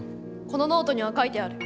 このノートには書いてある。